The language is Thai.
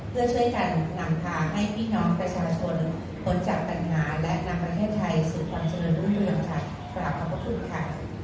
เพื่อช่วยกันหนังพาให้พี่น้องประชาชนคนจักรภัณฑ์หาและนำราชาไทยสู่ความเจริญรุ่นเตือนค่ะขอบคุณค่ะ